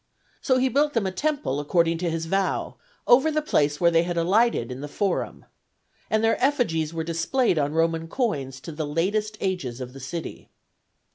So he built them a temple, according to his vow, over the place where they had alighted in the Forum. And their effigies were displayed on Roman coins to the latest ages of the city.